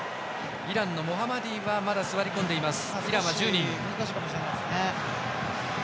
モハマディはまだ座り込んでいます。